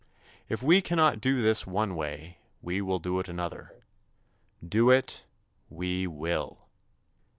If we cannot do this one way we will do it another. Do it, we will.